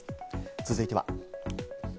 続いては。